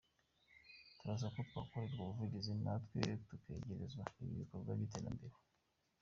Turasaba ko twakorerwa ubuvugizi natwe tukegerezwa ibyo bikorwa by’iterambere.